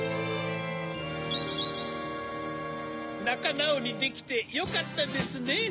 なかなおりできてよかったですね。